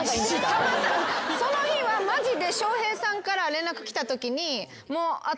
その日はマジで翔平さんから連絡来たときにもう私。